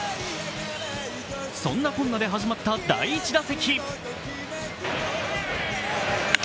そんなこんなで始まった第１打席。